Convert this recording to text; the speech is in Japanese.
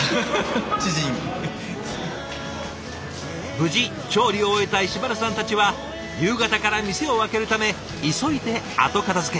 無事調理を終えた石丸さんたちは夕方から店を開けるため急いで後片づけ。